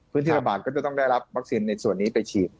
ที่ระบาดก็จะต้องได้รับวัคซีนในส่วนนี้ไปฉีด